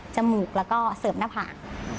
มูกแล้วก็เสริมหน้าผาก